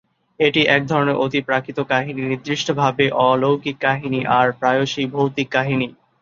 এটি একধরনের অতিপ্রাকৃত কাহিনী নির্দিষ্টভাবে "অলৌকিক কাহিনী", আর প্রায়শই ভৌতিক কাহিনী।